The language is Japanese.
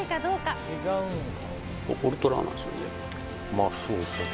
まあそうですね